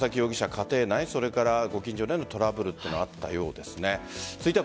家庭内ご近所内でのトラブルがあったようですね。